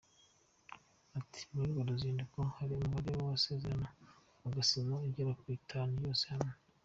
Ati “Muri urwo ruzinduko hari umubare w’amasezerano azasinywa, agera kuri atanu yose hamwe.